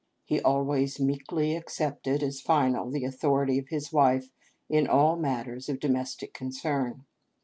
He always meekly accepted as final the authority of his wife in all matters of domestic concern.